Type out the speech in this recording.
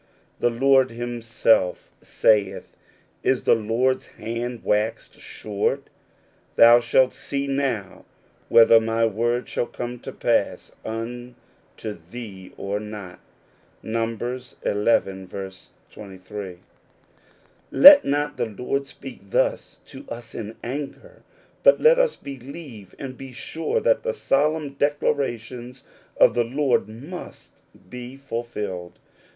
The^^ Lord himself saith, " Is the Lord's hand waxed •^ short ? Thou shalt see now whether my word shall come to pass unto thee or not " (Numbers xi. 23). Let not the Lord speak thus to us in anger, but let us believe and be sure that the solemn declara tions of the Lord must be fulfilled.